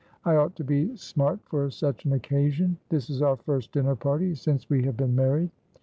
I ought to be smart for such an occasion. This is our first dinner party since we have been married."